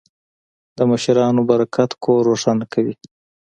د مشرانو برکت کور روښانه کوي.